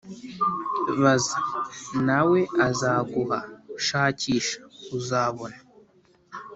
baza, na we azaguha; shakisha, uzabona.